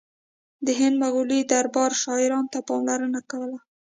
د هند مغلي دربار شاعرانو ته پاملرنه کوله